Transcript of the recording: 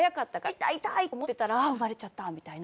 痛い痛いと思ってたらあっ産まれちゃったみたいな。